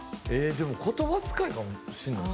でも言葉遣いかもしれないですね。